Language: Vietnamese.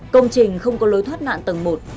công trình không có lối thoát nạn tầng một